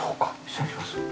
失礼します。